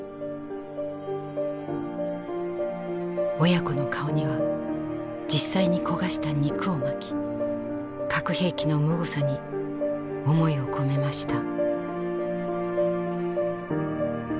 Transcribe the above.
親子の顔には実際に焦がした肉をまき核兵器のむごさに思いを込めました。